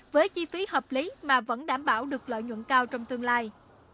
với chi phí hợp lý mà vẫn đảm bảo được lợi nhuận cao trong tương lai